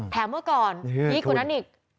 แถมเมื่อก่อนพี่ก่อนนั้นอีก